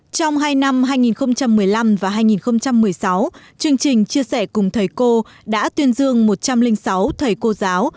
trong hai năm hai nghìn một mươi năm và hai nghìn một mươi sáu chương trình chia sẻ cùng thầy cô đã tuyên dương một trăm linh sáu thầy cô giáo